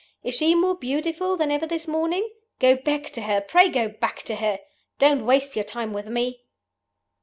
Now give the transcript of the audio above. Is she more beautiful than ever this morning? Go back to her pray go back to her! Don't waste your time with me!